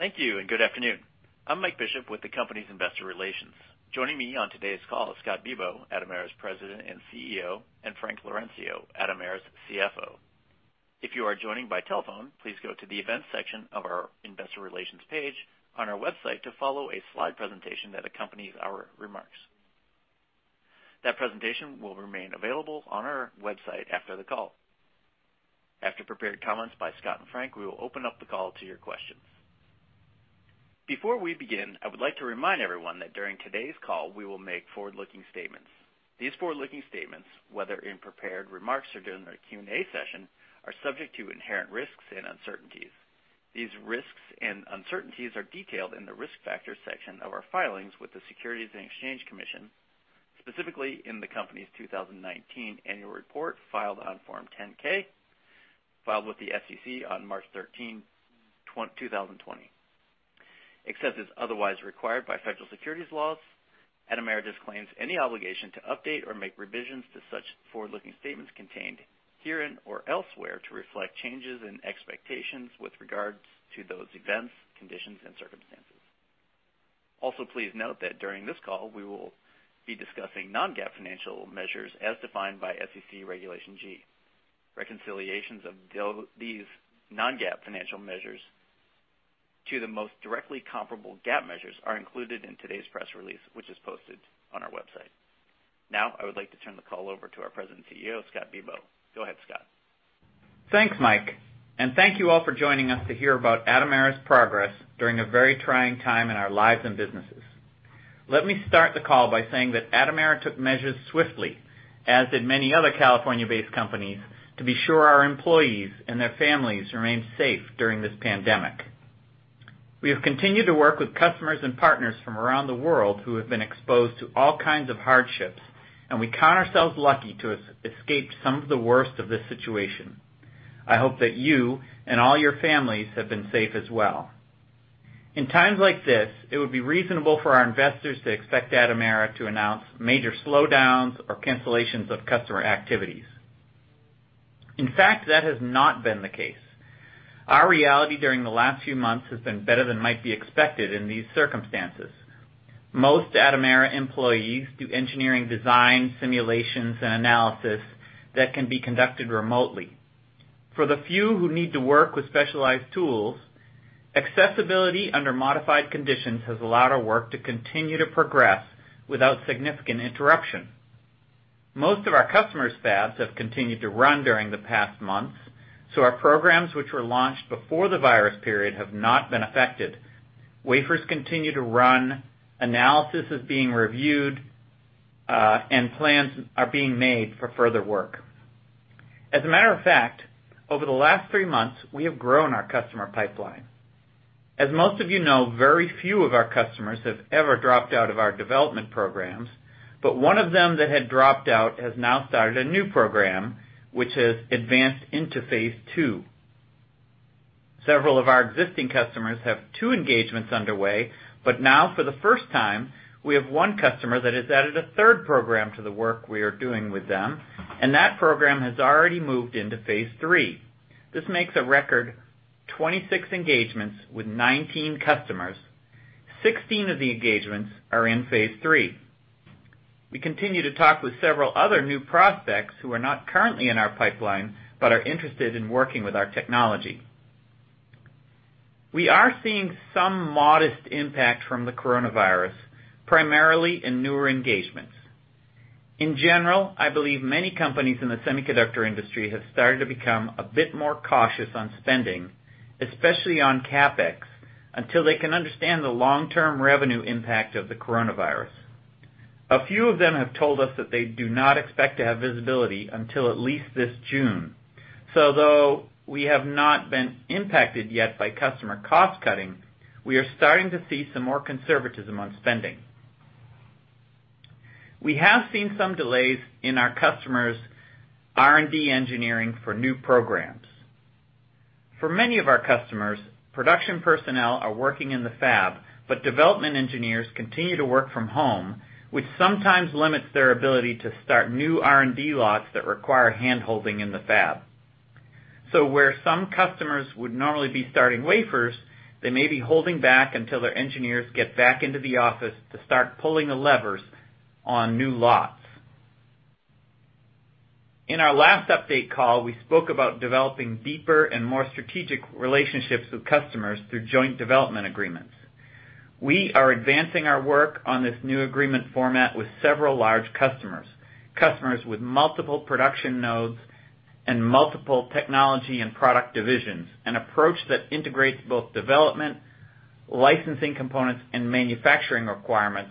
Thank you, and good afternoon. I'm Mike Bishop with the company's Investor Relations. Joining me on today's call is Scott Bibaud, Atomera's President and CEO, and Frank Laurencio, Atomera's CFO. If you are joining by telephone, please go to the events section of our investor relations page on our website to follow a slide presentation that accompanies our remarks. That presentation will remain available on our website after the call. After prepared comments by Scott and Frank, we will open up the call to your questions. Before we begin, I would like to remind everyone that during today's call, we will make forward-looking statements. These forward-looking statements, whether in prepared remarks or during the Q&A session, are subject to inherent risks and uncertainties. These risks and uncertainties are detailed in the risk factors section of our filings with the Securities and Exchange Commission, specifically in the company's 2019 annual report filed on Form 10-K, filed with the SEC on March 13th, 2020. Except as otherwise required by federal securities laws, Atomera disclaims any obligation to update or make revisions to such forward-looking statements contained herein or elsewhere to reflect changes in expectations with regard to those events, conditions, and circumstances. Also, please note that during this call, we will be discussing non-GAAP financial measures as defined by SEC Regulation G. Reconciliations of these non-GAAP financial measures to the most directly comparable GAAP measures are included in today's press release, which is posted on our website. Now, I would like to turn the call over to our President and CEO, Scott Bibaud. Go ahead, Scott. Thanks, Mike. Thank you all for joining us to hear about Atomera's progress during a very trying time in our lives and businesses. Let me start the call by saying that Atomera took measures swiftly, as did many other California-based companies, to be sure our employees and their families remained safe during this pandemic. We have continued to work with customers and partners from around the world who have been exposed to all kinds of hardships, and we count ourselves lucky to have escaped some of the worst of this situation. I hope that you and all your families have been safe as well. In times like this, it would be reasonable for our investors to expect Atomera to announce major slowdowns or cancellations of customer activities. In fact, that has not been the case. Our reality during the last few months has been better than might be expected in these circumstances. Most Atomera employees do engineering design, simulations, and analysis that can be conducted remotely. For the few who need to work with specialized tools, accessibility under modified conditions has allowed our work to continue to progress without significant interruption. Most of our customers' fabs have continued to run during the past months, so our programs which were launched before the virus period have not been affected. Wafers continue to run, analysis is being reviewed, and plans are being made for further work. As a matter of fact, over the last three months, we have grown our customer pipeline. As most of you know, very few of our customers have ever dropped out of our development programs, but one of them that had dropped out has now started a new program, which has advanced into phase II. Several of our existing customers have two engagements underway, but now, for the first time, we have one customer that has added a third program to the work we are doing with them, and that program has already moved into phase III. This makes a record 26 engagements with 19 customers. 16 of the engagements are in phase III. We continue to talk with several other new prospects who are not currently in our pipeline but are interested in working with our technology. We are seeing some modest impact from the coronavirus, primarily in newer engagements. In general, I believe many companies in the semiconductor industry have started to become a bit more cautious on spending, especially on CapEx, until they can understand the long-term revenue impact of the coronavirus. A few of them have told us that they do not expect to have visibility until at least this June. Though we have not been impacted yet by customer cost-cutting, we are starting to see some more conservatism on spending. We have seen some delays in our customers' R&D engineering for new programs. For many of our customers, production personnel are working in the fab, but development engineers continue to work from home, which sometimes limits their ability to start new R&D lots that require hand-holding in the fab. Where some customers would normally be starting wafers, they may be holding back until their engineers get back into the office to start pulling the levers on new lots. In our last update call, we spoke about developing deeper and more strategic relationships with customers through Joint Development Agreements. We are advancing our work on this new agreement format with several large customers with multiple production nodes and multiple technology and product divisions, an approach that integrates both development, licensing components, and manufacturing requirements.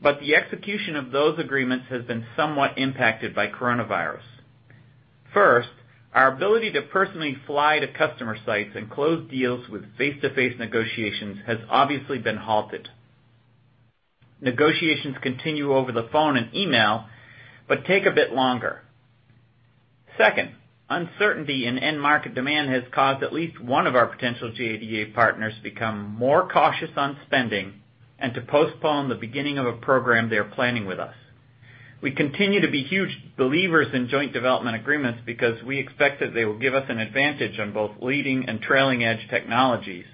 The execution of those agreements has been somewhat impacted by coronavirus. First, our ability to personally fly to customer sites and close deals with face-to-face negotiations has obviously been halted. Negotiations continue over the phone and email but take a bit longer. Second, uncertainty in end market demand has caused at least one of our potential JDA partners to become more cautious on spending and to postpone the beginning of a program they're planning with us. We continue to be huge believers in joint development agreements because we expect that they will give us an advantage on both leading and trailing edge technologies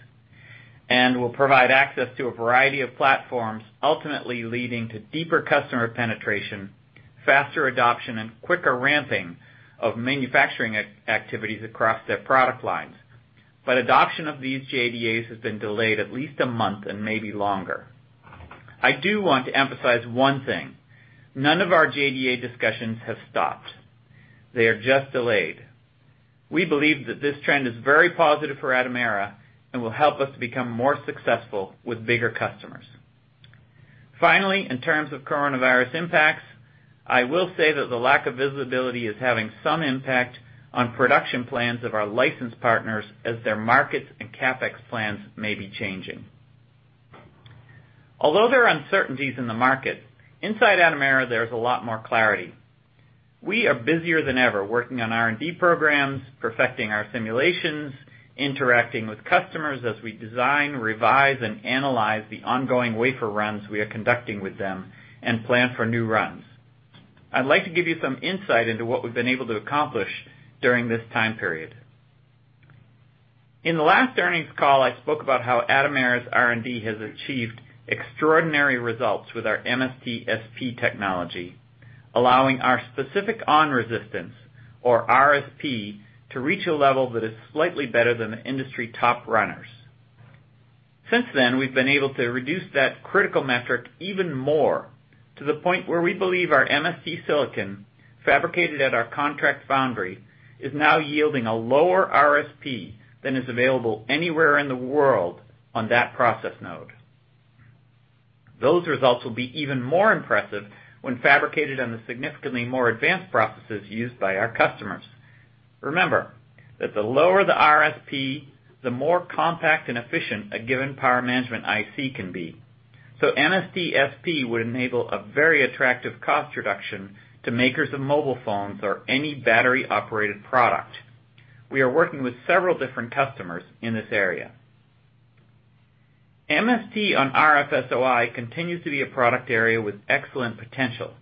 and will provide access to a variety of platforms, ultimately leading to deeper customer penetration, faster adoption, and quicker ramping of manufacturing activities across their product lines. Adoption of these JDAs has been delayed at least a month and maybe longer. I do want to emphasize one thing. None of our JDA discussions have stopped. They are just delayed. We believe that this trend is very positive for Atomera and will help us become more successful with bigger customers. Finally, in terms of coronavirus impacts, I will say that the lack of visibility is having some impact on production plans of our license partners as their markets and CapEx plans may be changing. Although there are uncertainties in the market, inside Atomera, there's a lot more clarity. We are busier than ever, working on R&D programs, perfecting our simulations, interacting with customers as we design, revise, and analyze the ongoing wafer runs we are conducting with them and plan for new runs. I'd like to give you some insight into what we've been able to accomplish during this time period. In the last earnings call, I spoke about how Atomera's R&D has achieved extraordinary results with our MST-SP technology, allowing our specific on-resistance, or RSP, to reach a level that is slightly better than the industry top runners. Since then, we've been able to reduce that critical metric even more, to the point where we believe our MST silicon, fabricated at our contract foundry, is now yielding a lower RSP than is available anywhere in the world on that process node. Those results will be even more impressive when fabricated on the significantly more advanced processes used by our customers. Remember that the lower the RSP, the more compact and efficient a given power management IC can be. MST-SP would enable a very attractive cost reduction to makers of mobile phones or any battery-operated product. We are working with several different customers in this area. MST on RF SOI continues to be a product area with excellent potential.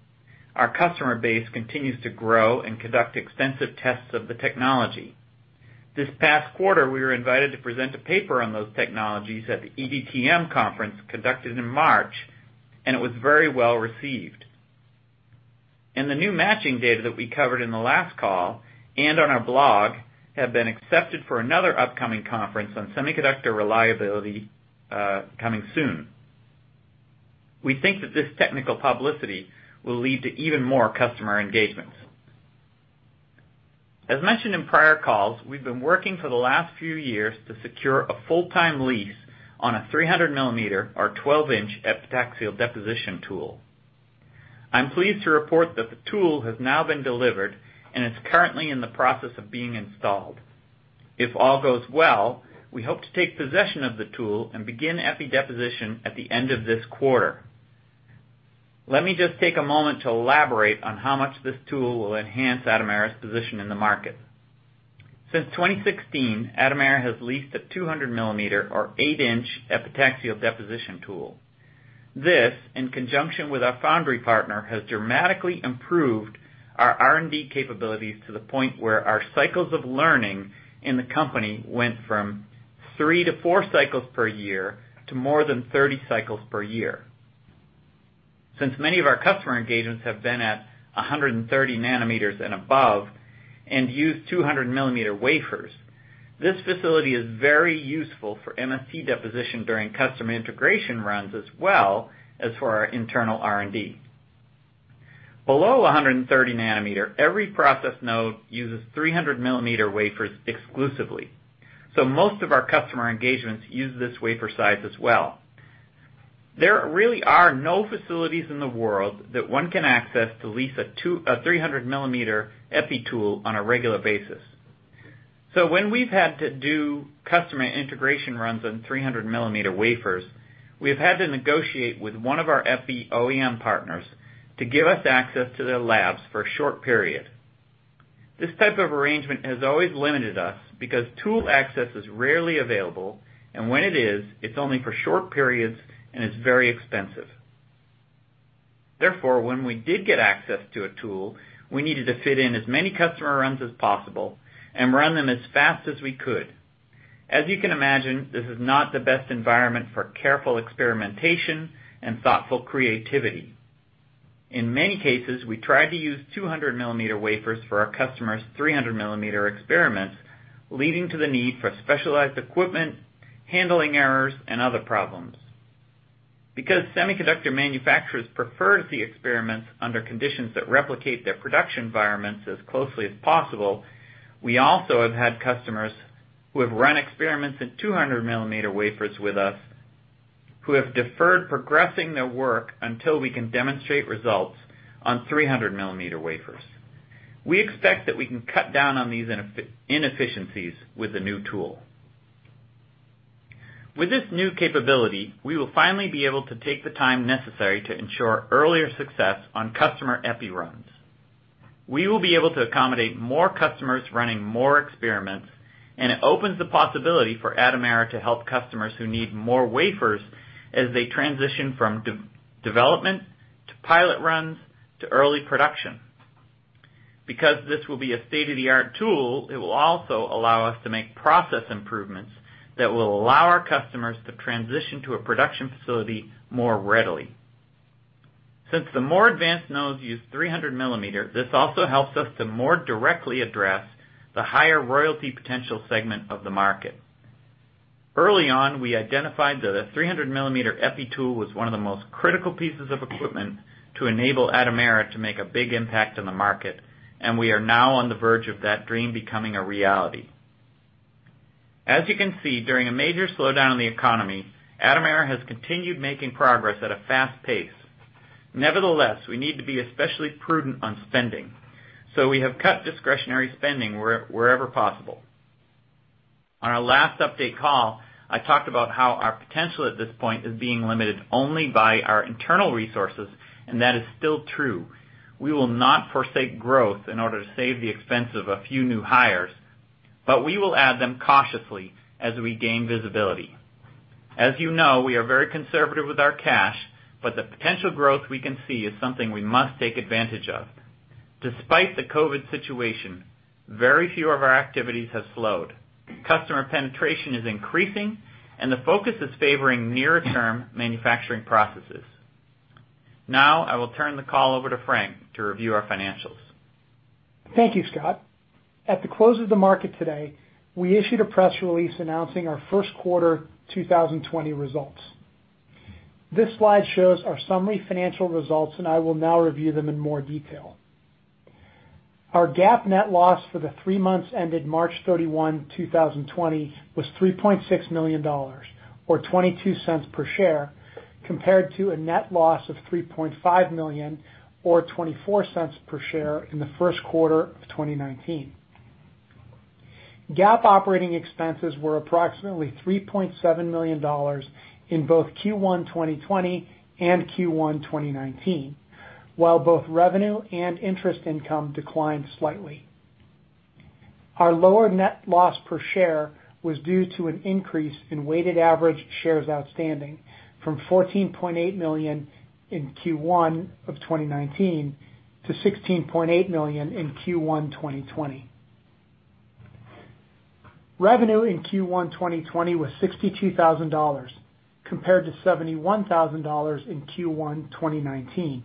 Our customer base continues to grow and conduct extensive tests of the technology. This past quarter, we were invited to present a paper on those technologies at the EDTM Conference conducted in March. It was very well received. The new matching data that we covered in the last call and on our blog have been accepted for another upcoming conference on semiconductor reliability coming soon. We think that this technical publicity will lead to even more customer engagements. As mentioned in prior calls, we've been working for the last few years to secure a full-time lease on a 300 millimeter or 12-inch epitaxial deposition tool. I'm pleased to report that the tool has now been delivered and is currently in the process of being installed. If all goes well, we hope to take possession of the tool and begin epi deposition at the end of this quarter. Let me just take a moment to elaborate on how much this tool will enhance Atomera's position in the market. Since 2016, Atomera has leased a 200 millimeter or 8-inch epitaxial deposition tool. This, in conjunction with our foundry partner, has dramatically improved our R&D capabilities to the point where our cycles of learning in the company went from three to four cycles per year to more than 30 cycles per year. Many of our customer engagements have been at 130 nanometers and above and use 200 millimeter wafers, this facility is very useful for MST deposition during customer integration runs as well as for our internal R&D. Below 130 nanometer, every process node uses 300 millimeter wafers exclusively. Most of our customer engagements use this wafer size as well. There really are no facilities in the world that one can access to lease a 300 millimeter epi tool on a regular basis. When we've had to do customer integration runs on 300 millimeter wafers, we have had to negotiate with one of our epi OEM partners to give us access to their labs for a short period. This type of arrangement has always limited us because tool access is rarely available, and when it is, it's only for short periods and is very expensive. When we did get access to a tool, we needed to fit in as many customer runs as possible and run them as fast as we could. As you can imagine, this is not the best environment for careful experimentation and thoughtful creativity. In many cases, we tried to use 200 millimeter wafers for our customers' 300 millimeter experiments, leading to the need for specialized equipment, handling errors, and other problems. Because semiconductor manufacturers prefer the experiments under conditions that replicate their production environments as closely as possible, we also have had customers who have run experiments in 200 millimeter wafers with us who have deferred progressing their work until we can demonstrate results on 300 millimeter wafers. We expect that we can cut down on these inefficiencies with the new tool. With this new capability, we will finally be able to take the time necessary to ensure earlier success on customer epi runs. We will be able to accommodate more customers running more experiments, and it opens the possibility for Atomera to help customers who need more wafers as they transition from development to pilot runs to early production. Because this will be a state-of-the-art tool, it will also allow us to make process improvements that will allow our customers to transition to a production facility more readily. Since the more advanced nodes use 300 millimeter, this also helps us to more directly address the higher royalty potential segment of the market. Early on, we identified that a 300 millimeter epi tool was one of the most critical pieces of equipment to enable Atomera to make a big impact in the market, and we are now on the verge of that dream becoming a reality. As you can see, during a major slowdown in the economy, Atomera has continued making progress at a fast pace. Nevertheless, we need to be especially prudent on spending, so we have cut discretionary spending wherever possible. On our last update call, I talked about how our potential at this point is being limited only by our internal resources, and that is still true. We will not forsake growth in order to save the expense of a few new hires, but we will add them cautiously as we gain visibility. As you know, we are very conservative with our cash, but the potential growth we can see is something we must take advantage of. Despite the COVID situation, very few of our activities have slowed. Customer penetration is increasing, the focus is favoring nearer-term manufacturing processes. Now, I will turn the call over to Frank to review our financials. Thank you, Scott. At the close of the market today, we issued a press release announcing our first quarter 2020 results. This slide shows our summary financial results, and I will now review them in more detail. Our GAAP net loss for the three months ended March 31, 2020, was $3.6 million, or $0.22 per share, compared to a net loss of $3.5 million or $0.24 per share in the first quarter of 2019. GAAP operating expenses were approximately $3.7 million in both Q1 2020 and Q1 2019, while both revenue and interest income declined slightly. Our lower net loss per share was due to an increase in weighted average shares outstanding from 14.8 million in Q1 of 2019 to 16.8 million in Q1 2020. Revenue in Q1 2020 was $62,000 compared to $71,000 in Q1 2019.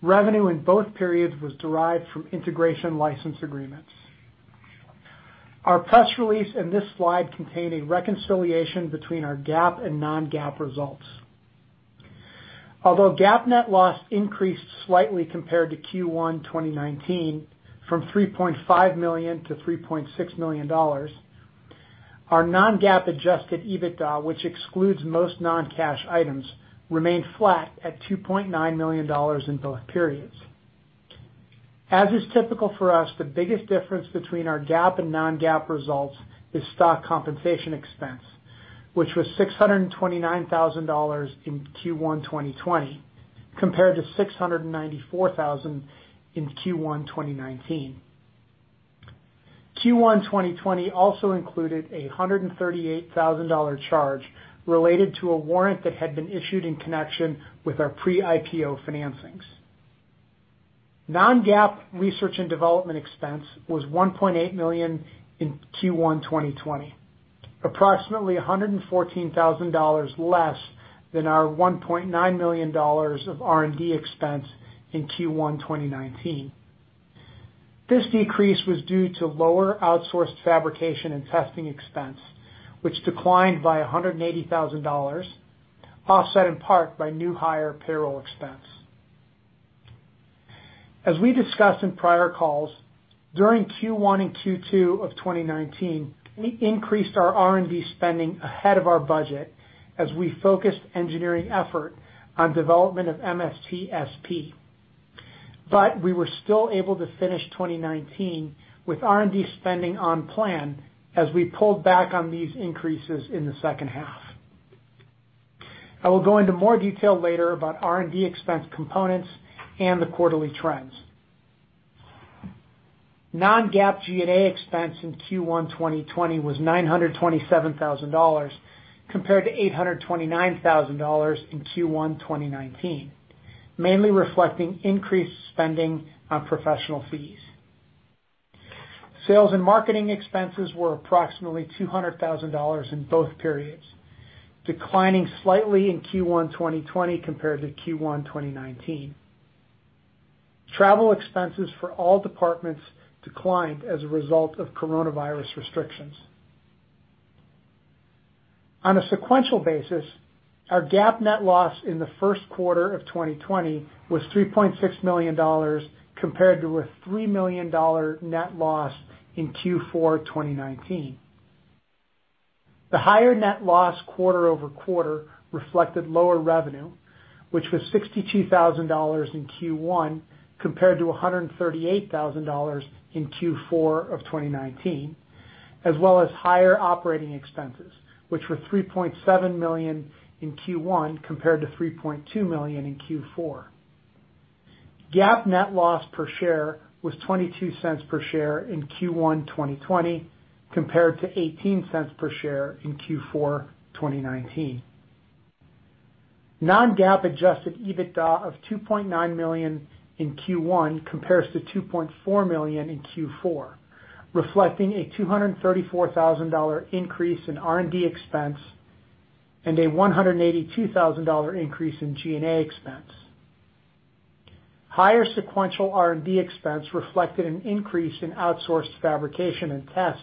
Revenue in both periods was derived from integration license agreements. Our press release and this slide contain a reconciliation between our GAAP and non-GAAP results. Although GAAP net loss increased slightly compared to Q1 2019 from $3.5 million to $3.6 million, our non-GAAP Adjusted EBITDA, which excludes most non-cash items, remained flat at $2.9 million in both periods. As is typical for us, the biggest difference between our GAAP and non-GAAP results is stock compensation expense, which was $629,000 in Q1 2020 compared to $694,000 in Q1 2019. Q1 2020 also included a $138,000 charge related to a warrant that had been issued in connection with our pre-IPO financings. Non-GAAP research and development expense was $1.8 million in Q1 2020, approximately $114,000 less than our $1.9 million of R&D expense in Q1 2019. This decrease was due to lower outsourced fabrication and testing expense, which declined by $180,000, offset in part by new hire payroll expense. As we discussed in prior calls, during Q1 and Q2 of 2019, we increased our R&D spending ahead of our budget as we focused engineering effort on development of MST-SP. We were still able to finish 2019 with R&D spending on plan as we pulled back on these increases in the second half. I will go into more detail later about R&D expense components and the quarterly trends. Non-GAAP G&A expense in Q1 2020 was $927,000 compared to $829,000 in Q1 2019, mainly reflecting increased spending on professional fees. Sales and marketing expenses were approximately $200,000 in both periods, declining slightly in Q1 2020 compared to Q1 2019. Travel expenses for all departments declined as a result of COVID restrictions. On a sequential basis, our GAAP net loss in the first quarter of 2020 was $3.6 million compared to a $3 million net loss in Q4 2019. The higher net loss QoQ reflected lower revenue, which was $62,000 in Q1 compared to $138,000 in Q4 2019, as well as higher operating expenses, which were $3.7 million in Q1 compared to $3.2 million in Q4. GAAP net loss per share was $0.22 per share in Q1 2020 compared to $0.18 per share in Q4 2019. Non-GAAP Adjusted EBITDA of $2.9 million in Q1 compares to $2.4 million in Q4, reflecting a $234,000 increase in R&D expense and a $182,000 increase in G&A expense. Higher sequential R&D expense reflected an increase in outsourced fabrication and tests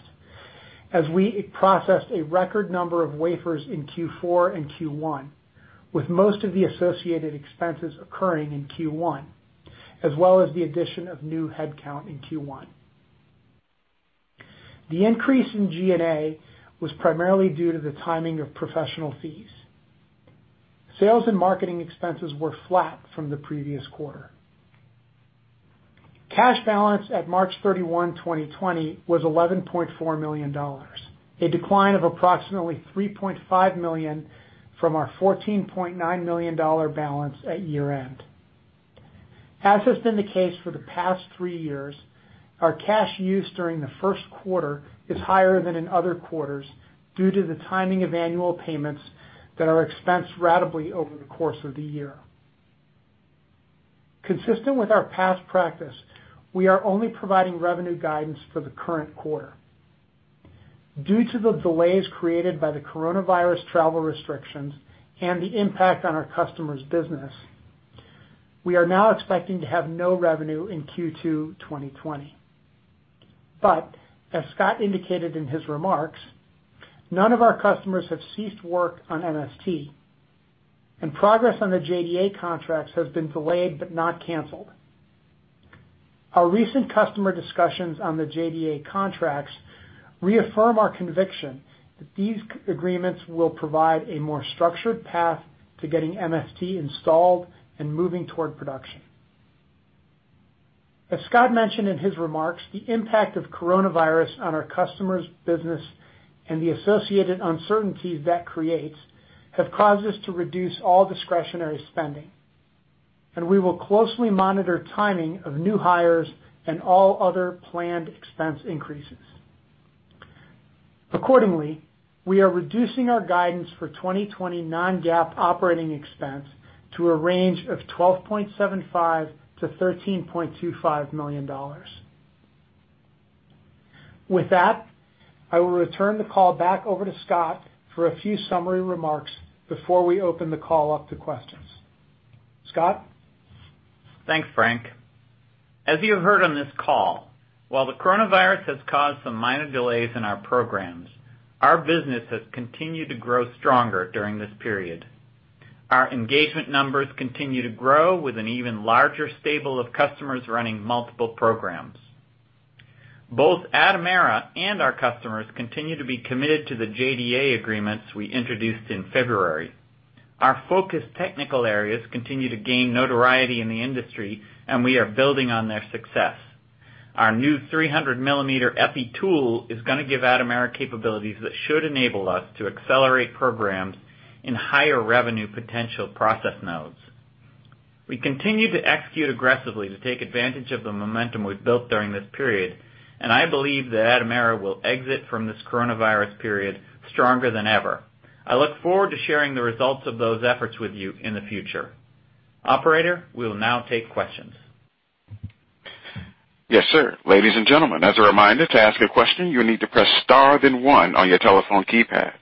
as we processed a record number of wafers in Q4 and Q1, with most of the associated expenses occurring in Q1, as well as the addition of new headcount in Q1. The increase in G&A was primarily due to the timing of professional fees. Sales and marketing expenses were flat from the previous quarter. Cash balance at March 31st, 2020 was $11.4 million, a decline of approximately $3.5 million from our $14.9 million balance at year-end. As has been the case for the past three years, our cash use during the first quarter is higher than in other quarters due to the timing of annual payments that are expensed ratably over the course of the year. Consistent with our past practice, we are only providing revenue guidance for the current quarter. Due to the delays created by the coronavirus travel restrictions and the impact on our customers' business, we are now expecting to have no revenue in Q2 2020. As Scott indicated in his remarks, none of our customers have ceased work on MST, and progress on the JDA contracts has been delayed but not canceled. Our recent customer discussions on the JDA contracts reaffirm our conviction that these agreements will provide a more structured path to getting MST installed and moving toward production. As Scott mentioned in his remarks, the impact of coronavirus on our customers' business and the associated uncertainties that creates have caused us to reduce all discretionary spending, and we will closely monitor timing of new hires and all other planned expense increases. Accordingly, we are reducing our guidance for 2020 non-GAAP operating expense to a range of $12.75 million-$13.25 million. With that, I will return the call back over to Scott for a few summary remarks before we open the call up to questions. Scott? Thanks, Frank. As you heard on this call, while the coronavirus has caused some minor delays in our programs, our business has continued to grow stronger during this period. Our engagement numbers continue to grow with an even larger stable of customers running multiple programs. Both Atomera and our customers continue to be committed to the JDA agreements we introduced in February. Our focus technical areas continue to gain notoriety in the industry, and we are building on their success. Our new 300 millimeter epi tool is going to give Atomera capabilities that should enable us to accelerate programs in higher revenue potential process nodes. We continue to execute aggressively to take advantage of the momentum we've built during this period, and I believe that Atomera will exit from this coronavirus period stronger than ever. I look forward to sharing the results of those efforts with you in the future. Operator, we'll now take questions. Yes, sir. Ladies and gentlemen, as a reminder to ask a question, you need to press star then one on your telephone keypad.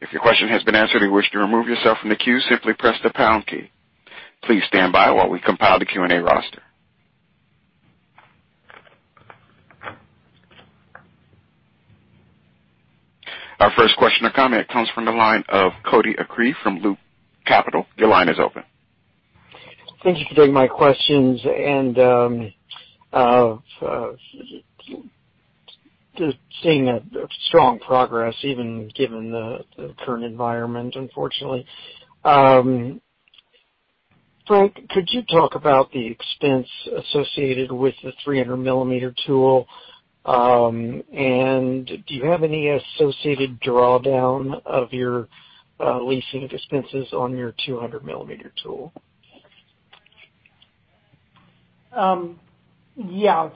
If your question has been answered and you wish to remove yourself from the queue, simply press the pound key. Please stand by while we compile the Q&A roster. Our first question or comment comes from the line of Cody Acree from Loop Capital. Your line is open. Thank you for taking my questions. Just seeing a strong progress even given the current environment, unfortunately. Frank, could you talk about the expense associated with the 300 millimeter tool? Do you have any associated drawdown of your leasing expenses on your 200 millimeter tool? Yeah.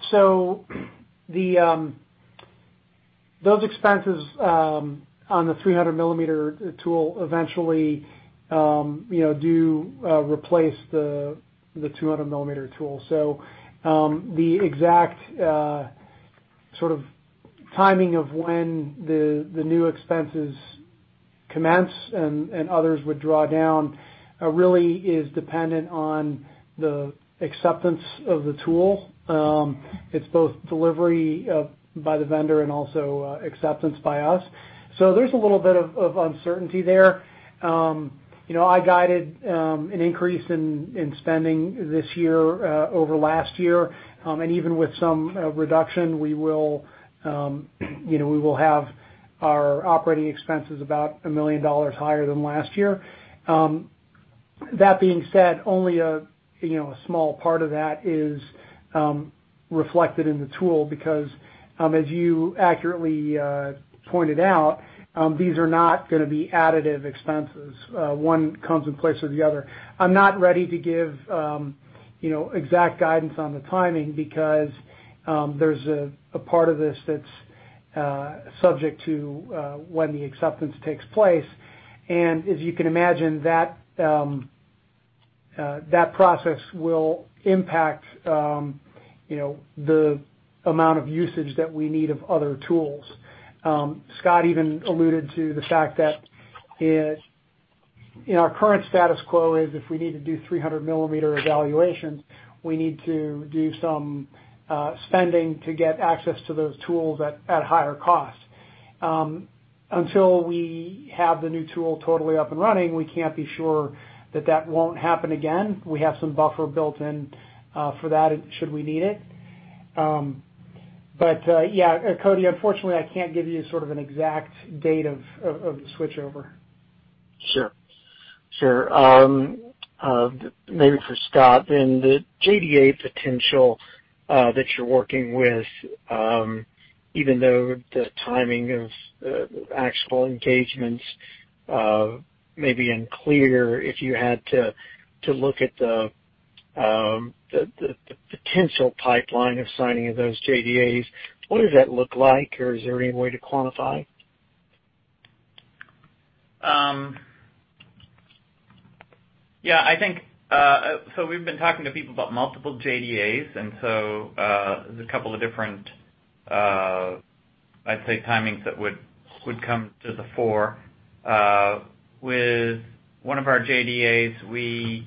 Those expenses on the 300 millimeter tool eventually do replace the 200 millimeter tool. The exact sort of timing of when the new expenses commence and others would draw down, really is dependent on the acceptance of the tool. It's both delivery by the vendor and also acceptance by us. There's a little bit of uncertainty there. I guided an increase in spending this year over last year. Even with some reduction, we will have our operating expenses about $1 million higher than last year. That being said, only a small part of that is reflected in the tool because, as you accurately pointed out, these are not going to be additive expenses. One comes in place of the other. I'm not ready to give exact guidance on the timing, because there's a part of this that's subject to when the acceptance takes place. As you can imagine, that process will impact the amount of usage that we need of other tools. Scott even alluded to the fact that our current status quo is if we need to do 300-millimeter evaluations, we need to do some spending to get access to those tools at higher cost. Until we have the new tool totally up and running, we can't be sure that that won't happen again. We have some buffer built in for that, should we need it. Yeah, Cody, unfortunately, I can't give you sort of an exact date of the switchover. Sure. Maybe for Scott then, the JDA potential that you're working with, even though the timing of the actual engagements may be unclear, if you had to look at the potential pipeline of signing of those JDAs, what does that look like? Or is there any way to quantify? We've been talking to people about multiple JDAs, there's a couple of different, I'd say, timings that would come to the fore. With one of our JDAs,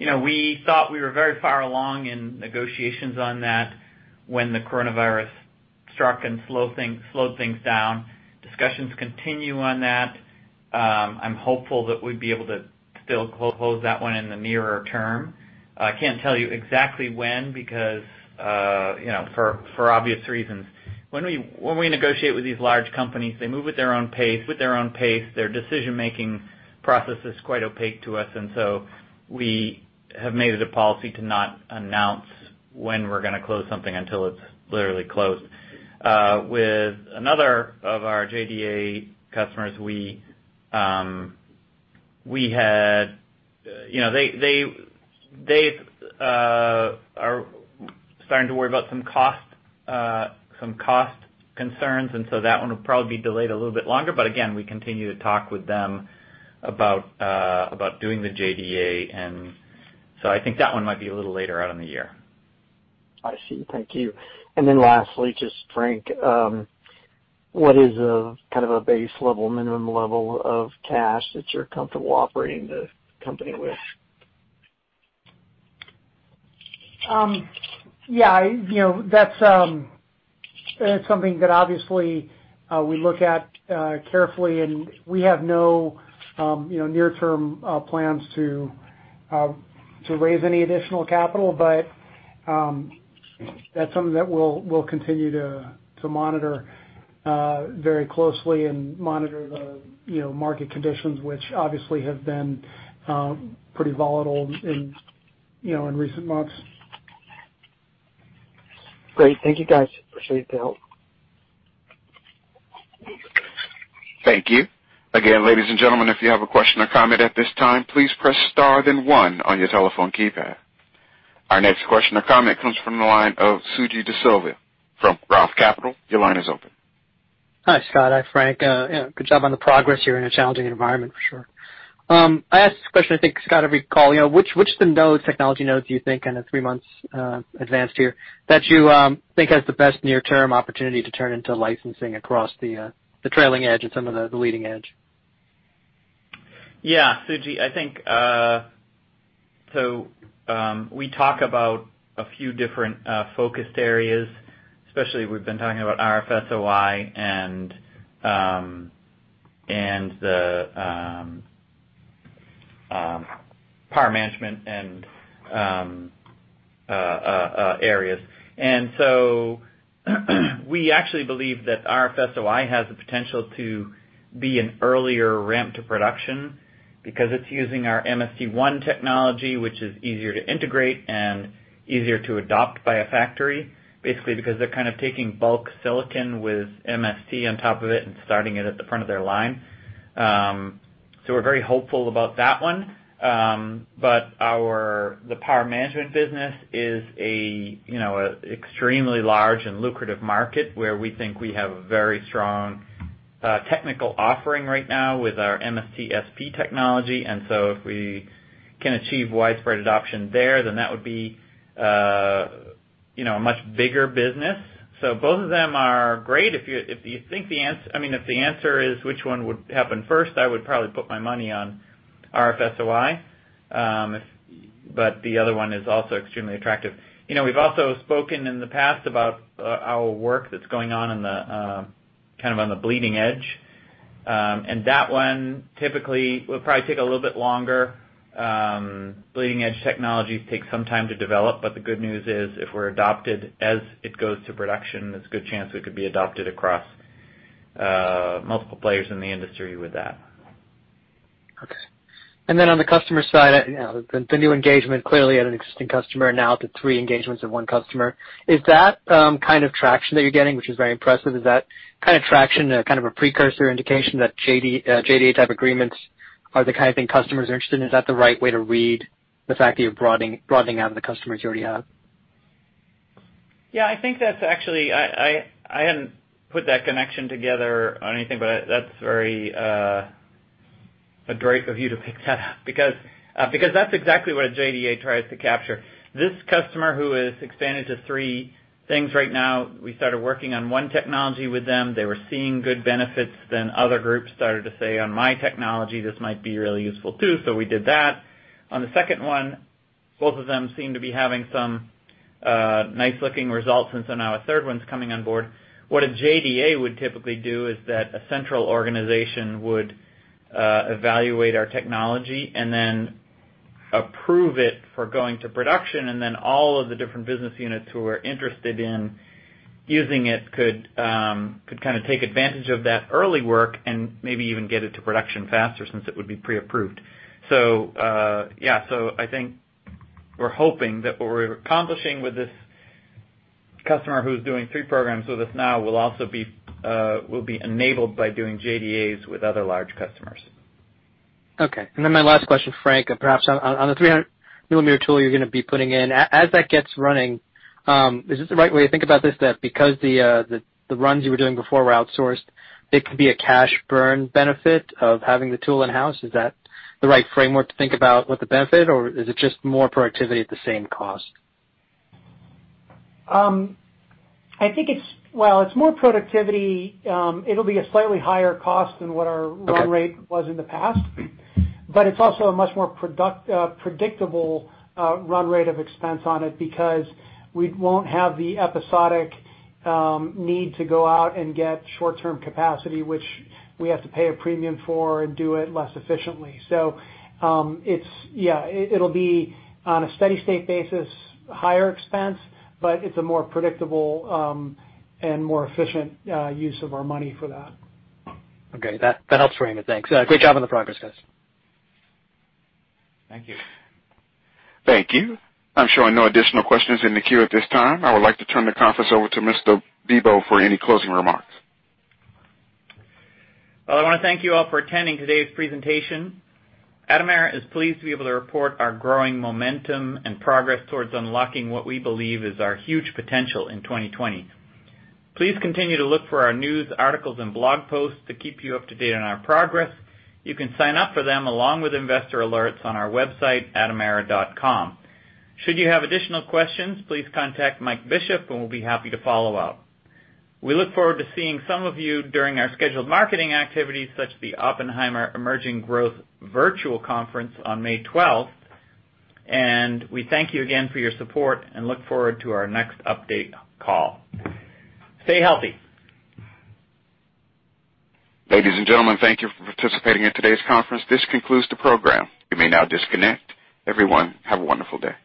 we thought we were very far along in negotiations on that when the coronavirus struck and slowed things down. Discussions continue on that. I'm hopeful that we'd be able to still close that one in the nearer term. I can't tell you exactly when because for obvious reasons. When we negotiate with these large companies, they move with their own pace. Their decision-making process is quite opaque to us, we have made it a policy to not announce when we're going to close something until it's literally closed. With another of our JDA customers, they are starting to worry about some cost concerns, that one will probably be delayed a little bit longer. Again, we continue to talk with them about doing the JDA, and so I think that one might be a little later out in the year. I see. Thank you. Lastly, just Frank, what is kind of a base level, minimum level of cash that you're comfortable operating the company with? Yeah, that's something that obviously we look at carefully, and we have no near-term plans to raise any additional capital. That's something that we'll continue to monitor very closely and monitor the market conditions, which obviously have been pretty volatile in recent months. Great. Thank you, guys. Appreciate the help. Thank you. Again, ladies and gentlemen, if you have a question or comment at this time, please press star then one on your telephone keypad. Our next question or comment comes from the line of Suji Desilva from Roth Capital. Your line is open. Hi, Scott. Hi, Frank. Good job on the progress here in a challenging environment for sure. I asked this question, I think, Scott, every call. Which of the technology nodes do you think in the three months advanced here that you think has the best near-term opportunity to turn into licensing across the trailing edge and some of the leading edge? Yeah, Suji. We talk about a few different focused areas, especially we've been talking about RF SOI and the power management areas. We actually believe that RF SOI has the potential to be an earlier ramp to production because it's using our MST1 technology, which is easier to integrate and easier to adopt by a factory, basically because they're kind of taking bulk silicon with MST on top of it and starting it at the front of their line. We're very hopeful about that one. The power management business is an extremely large and lucrative market where we think we have a very strong technical offering right now with our MST-SP technology. If we can achieve widespread adoption there, then that would be a much bigger business. Both of them are great. If the answer is which one would happen first, I would probably put my money on RF SOI, but the other one is also extremely attractive. We've also spoken in the past about our work that's going on kind of on the bleeding edge. That one typically will probably take a little bit longer. Bleeding edge technologies take some time to develop, but the good news is if we're adopted as it goes to production, there's a good chance we could be adopted across multiple players in the industry with that. On the customer side, the new engagement, clearly at an existing customer, now up to three engagements of one customer. Is that kind of traction that you're getting, which is very impressive, is that kind of traction a kind of a precursor indication that JDA type agreements are the kind of thing customers are interested in? Is that the right way to read the fact that you're broadening out the customers you already have? I hadn't put that connection together or anything, but that's very great of you to pick that up, because that's exactly what a JDA tries to capture. This customer who has expanded to three things right now, we started working on one technology with them. Other groups started to say, "On my technology, this might be really useful, too," so we did that. On the second one, both of them seem to be having some nice-looking results. Now a third one's coming on board. What a JDA would typically do is that a central organization would evaluate our technology and then approve it for going to production, and then all of the different business units who are interested in using it could kind of take advantage of that early work and maybe even get it to production faster since it would be pre-approved. I think we're hoping that what we're accomplishing with this customer who's doing three programs with us now will be enabled by doing JDAs with other large customers. Okay. My last question, Frank, perhaps on the 300 millimeter tool you're going to be putting in. As that gets running, is this the right way to think about this, that because the runs you were doing before were outsourced, it could be a cash burn benefit of having the tool in-house? Is that the right framework to think about with the benefit, or is it just more productivity at the same cost? I think it's more productivity. It'll be a slightly higher cost than what our run rate was in the past, but it's also a much more predictable run rate of expense on it because we won't have the episodic need to go out and get short-term capacity, which we have to pay a premium for and do it less efficiently. It'll be, on a steady state basis, higher expense, but it's a more predictable and more efficient use of our money for that. Okay. That helps frame it. Thanks. Great job on the progress, guys. Thank you. Thank you. I'm showing no additional questions in the queue at this time. I would like to turn the conference over to Mr. Bibaud for any closing remarks. Well, I want to thank you all for attending today's presentation. Atomera is pleased to be able to report our growing momentum and progress towards unlocking what we believe is our huge potential in 2020. Please continue to look for our news articles and blog posts to keep you up to date on our progress. You can sign up for them along with investor alerts on our website, atomera.com. Should you have additional questions, please contact Mike Bishop, and we'll be happy to follow up. We look forward to seeing some of you during our scheduled marketing activities, such as the Oppenheimer Emerging Growth Virtual Conference on May 12th. We thank you again for your support and look forward to our next update call. Stay healthy. Ladies and gentlemen, thank you for participating in today's conference. This concludes the program. You may now disconnect. Everyone, have a wonderful day.